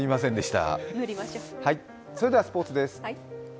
それではスポーツです。